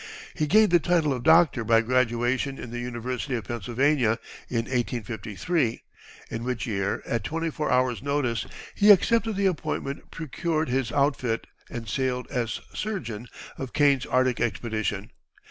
He gained the title of doctor by graduation in the University of Pennsylvania, in 1853, in which year, at twenty four hours' notice, he accepted the appointment, procured his outfit, and sailed as surgeon of Kane's Arctic expedition.